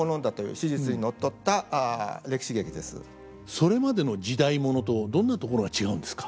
それまでの時代物とどんなところが違うんですか？